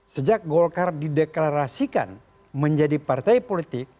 sejak golkar dideklarasikan menjadi partai politik